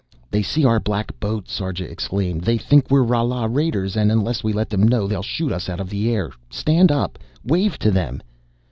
"They see our black boat!" Sarja exclaimed. "They think we're Rala raiders and unless we let them know they'll shoot us out of the air! Stand up wave to them